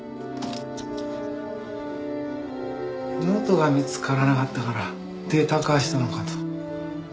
ノートが見つからなかったからデータ化したのかと。